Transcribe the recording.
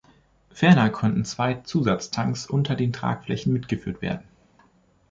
Ferner konnten zwei Zusatztanks unter den Tragflächen mitgeführt werden.